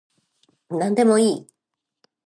なんでもいい